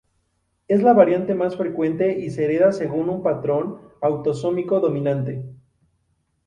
Es la variedad más frecuente y se hereda según un patrón autosómico dominante.